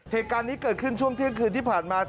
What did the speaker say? เหตุการณ์นี้เกิดขึ้นช่วงเที่ยงคืนที่ผ่านมา